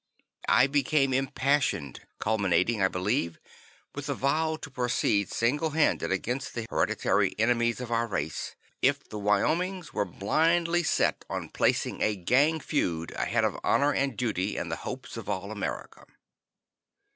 I became impassioned, culminating, I believe, with a vow to proceed single handed against the hereditary enemies of our race, "if the Wyomings were blindly set on placing a gang feud ahead of honor and duty and the hopes of all America."